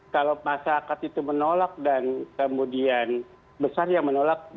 kalau masyarakat itu menolak dan kemudian besar yang menolak